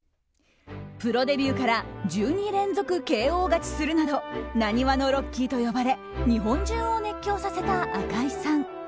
プロデビューから１２連続ＫＯ勝ちするなど浪速のロッキーと呼ばれ日本中を熱狂させた赤井さん。